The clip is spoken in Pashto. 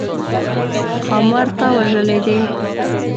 ښامار تا وژلی دی؟